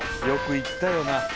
よく行ったよな。